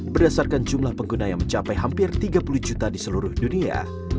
berdasarkan jumlah pengguna yang mencapai hampir tiga puluh juta di seluruh dunia